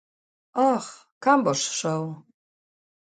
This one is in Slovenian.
Oh, kam boš šel?